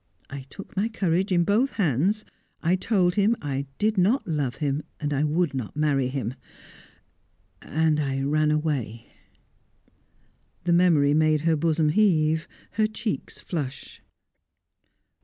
I took my courage in both hands. I told him I did not love him, I would not marry him. And I ran away." The memory made her bosom heave, her cheeks flush.